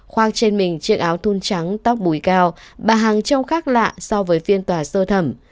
khoác trên mình chiếc áo thun trắng tóc bùi cao bà hằng trông khác lạ so với viên tòa xơ thẩm